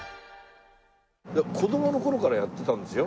子供の頃からやってたんでしょ？